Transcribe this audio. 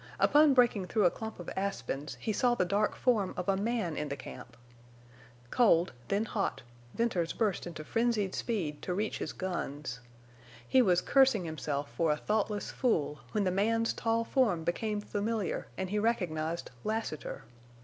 Upon breaking through a clump of aspens he saw the dark form of a man in the camp. Cold, then hot, Venters burst into frenzied speed to reach his guns. He was cursing himself for a thoughtless fool when the man's tall form became familiar and he recognized Lassiter.